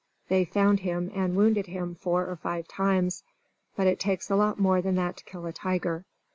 They found him and wounded him four or five times. But it takes a lot more than that to kill a tiger.